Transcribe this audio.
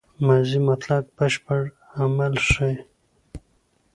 ماضي مطلق بشپړ عمل ښيي.